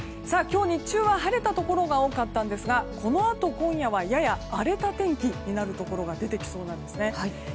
今日、日中は晴れたところが多かったんですがこのあと、今夜はやや荒れた天気になるところが出てきそうなんです。